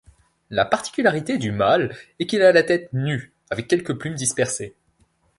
La particularité du mâle est qu'il a la tête nue, avec quelques plumes dispersées.